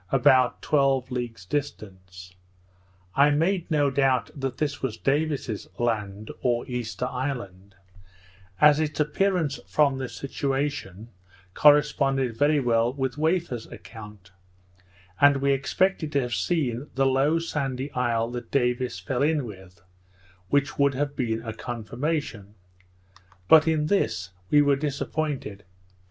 about twelve leagues distant. I made no doubt that this was Davis's Land, or Easter Island; as its appearance from this situation, corresponded very well with Wafer's account; and we expected to have seen the low sandy isle that Davis fell in with, which would have been a confirmation; but in this we were disappointed.